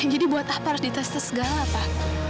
jadi buat apa harus dites tes segala pak